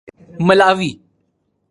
ملاوی